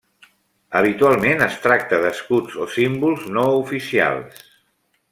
Habitualment es tracta d'escuts o símbols no oficials.